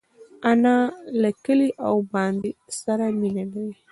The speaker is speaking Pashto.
انا له کلي او بانډې سره مینه لري